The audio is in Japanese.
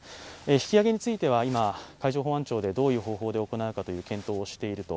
引き上げについては今、海上保安庁でどういう方法で行うかという検討をしていると。